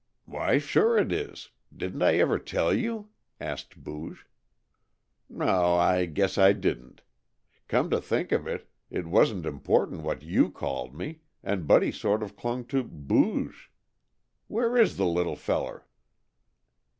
"Why, sure, it is. Didn't I ever tell you?" asked Booge. "No, I guess I didn't. Come to think of it, it wasn't important what you called me, and Buddy sort of clung to 'Booge.' Where is the little feller?"